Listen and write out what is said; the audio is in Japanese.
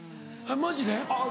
マジで？